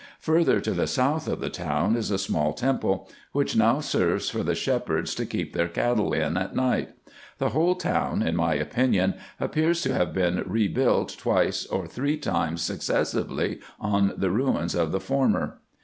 Further to the south of the town is a small temple, which now serves for the shepherds to keep their cattle in at night. The whole town, in my opinion, appears to have been rebuilt twice or three times suc cessively on the ruins of the former.